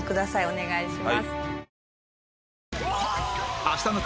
お願いします。